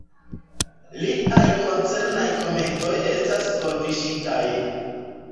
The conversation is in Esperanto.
Liaj koncernaj komentoj estas forviŝitaj.